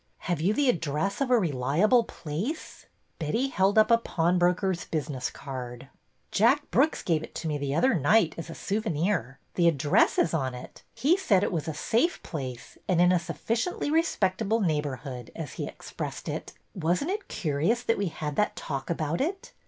Have you the address of a reliable place ?" Betty held up a pawnbroker's business card. Jack Brooks gave it to me the other night as a souvenir. The address is on it. He said it was a safe place and in a sufficiently respectable neighborhood, as he expressed it. Was n't it curi ous that we had that talk about it?